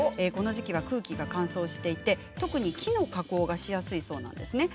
この時期は空気が乾燥していて特に木の加工がしやすいそうなんです。